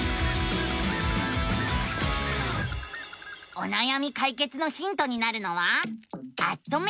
おなやみ解決のヒントになるのは「アッ！とメディア」。